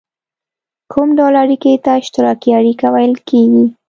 کوم ډول اړیکې ته اشتراکي اړیکه ویل کیږي؟